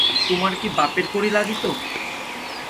তোমার কি বাপের কড়ি লাগিত।